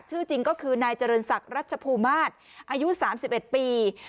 ชื่อจริงก็คือนายเจริญศักดิ์รัชภูมิมาศอายุ๓๑ปี